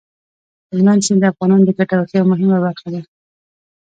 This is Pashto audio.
هلمند سیند د افغانانو د ګټورتیا یوه مهمه برخه ده.